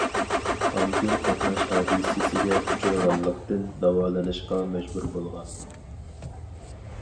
ئايگۈل قاتناش ھادىسىسىگە ئۇچرىغانلىقتىن داۋالىنىشقا مەجبۇر بولغان.